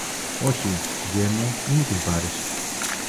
Όχι, γιε μου, μη μου την πάρεις